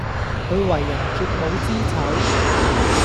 佢為人絕無知醜